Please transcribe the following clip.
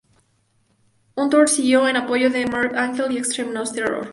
Un tour siguió en apoyo de Morbid Ángel y Extreme Noise Terror.